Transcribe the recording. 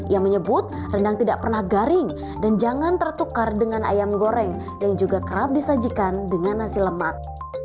ia menyebut rendang tidak pernah garing dan jangan tertukar dengan ayam goreng dan juga kerap disajikan dengan nasi lemak